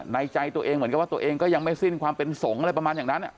ในใจตัวเองเหมือนกับว่าตัวเองก็ยังไม่สิ้นความเป็นสงฆ์อะไรประมาณอย่างนั้น